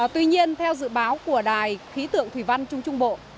tuy nhiên theo dự báo của đài khí tượng thủy văn trung trung bộ